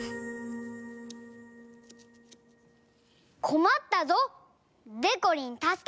こまったぞ！でこりんたすけて！